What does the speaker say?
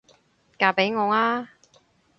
嫁畀我吖？